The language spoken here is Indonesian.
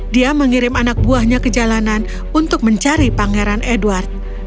dia mengirim anak buahnya ke jalanan untuk mencari pangeran edward